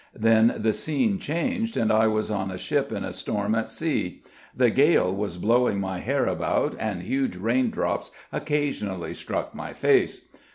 Then the scene changed, and I was on a ship in a storm at sea; the gale was blowing my hair about, and huge rain drops occasionally struck my face.